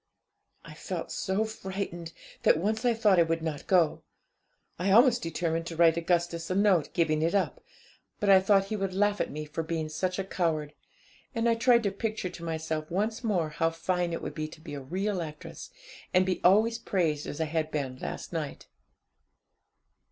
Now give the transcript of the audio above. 'I felt so frightened, that once I thought I would not go. I almost determined to write Augustus a note giving it up; but I thought that he would laugh at me for being such a coward, and I tried to picture to myself once more how fine it would be to be a real actress, and be always praised as I had been last night.